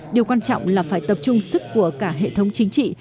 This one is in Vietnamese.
điều quan trọng là phải tập trung sức của cả hệ thống chính trị